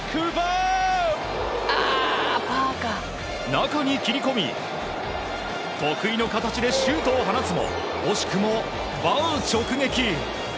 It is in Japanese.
中に切り込み得意の形でシュートを放つも惜しくもバー直撃。